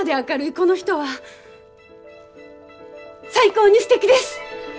この人は最高にすてきです！